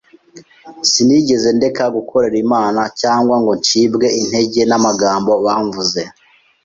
sinigeze ndeka gukorera Imana cyangwa ngo ncibwe intege n’amagambo bamvuze.